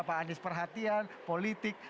pak anies perhatian politik